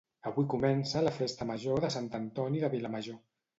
Avui comença la festa major de Sant Antoni de Vilamajor